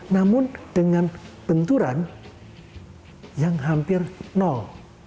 namun dengan benturan yang hampir nol